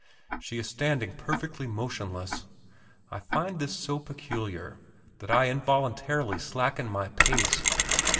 She is standing perfectly motionless. I find this so peculiar that I involuntarily slacken my pace.